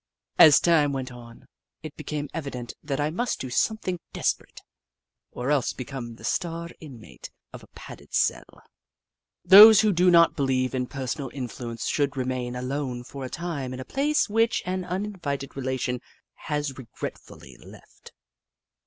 As time went on, it became evident that I must do something desperate, or else become the star inmate of a padded cell. Those who do not believe in personal influence should remain alone for a time in a place which an uninvited relation has regretfully left.